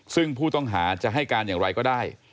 ซึ่งผู้ต้องหาจะให้การอย่างไรก็ได้